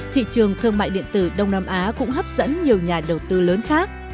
thị trường thương mại điện tử đông nam á cũng hấp dẫn nhiều nhà đầu tư lớn khác